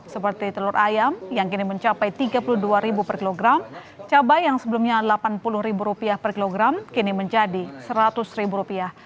seperti telur ayam yang kini mencapai tiga puluh dua per kilogram cabai yang sebelumnya rp delapan puluh per kilogram kini menjadi rp seratus